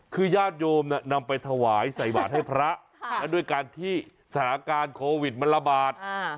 คือญาติโยมนำไปถวายใส่บาทให้พระและด้วยการที่สถานการณ์โควิดมันระบาด